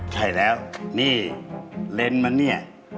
ใช่แล้วนี่เลนส์มันเนี่ย